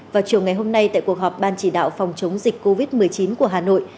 vào chiều ngày hôm nay tại cuộc họp ban chỉ đạo phòng chống dịch covid một mươi chín của hà nội